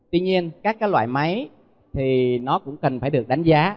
tuy nhiên các loại máy thì nó cũng cần phải được đánh giá